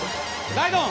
ライドオン！